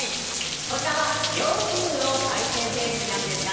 こちらは両チームの対戦成績なんですが